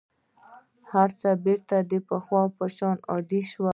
هر څه بېرته د پخوا په شان عادي شول.